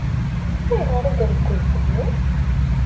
Ayɣer i ireggel fell-i?